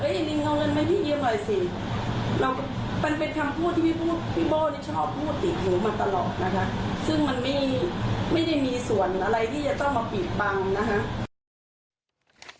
ซึ่งมันไม่ได้มีส่วนอะไรที่จะต้องมาปีกบัง